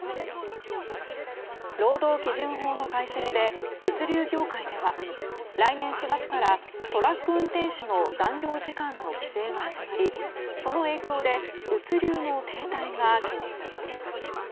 労働基準法の改正で物流業界では来年４月から、トラック運転手の残業時間の規制が始まりその影響で物流の停滞が懸念されています。